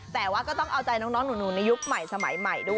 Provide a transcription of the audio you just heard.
แต่ว่าก็ต้องเอาใจน้องหนูในยุคใหม่สมัยใหม่ด้วย